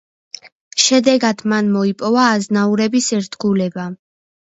შედეგად მან მოიპოვა აზნაურების ერთგულება.